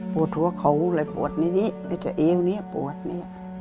ปวดหัวเขาเลยปวดในนี้แล้วก็เอวนี้ปวดเนี่ย